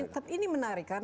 nah ini menarik